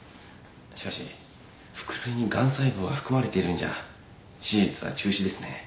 しかし腹水にガン細胞が含まれているんじゃ手術は中止ですね。